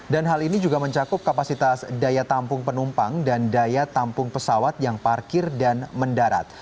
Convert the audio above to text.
hal ini juga mencakup kapasitas daya tampung penumpang dan daya tampung pesawat yang parkir dan mendarat